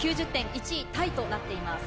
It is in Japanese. １位タイとなっています。